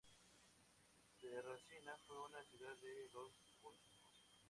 Terracina fue una ciudad de los volscos.